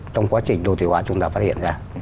trong quá trình đồ thể hóa chúng ta phát hiện ra